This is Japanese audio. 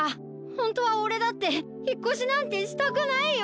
ほんとはオレだってひっこしなんてしたくないよ！